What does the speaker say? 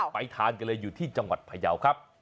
ทานกันเลยอยู่ที่จังหวัดพยาวครับ